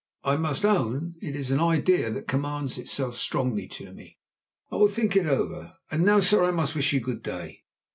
I must own it is an idea that commends itself strongly to me. I will think it over. And now, sir, I must wish you good day.